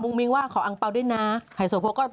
ของอัมอัมเขาสนุน